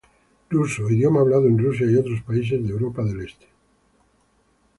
Ruso - idioma hablado en Rusia y otros países de Europa del Este.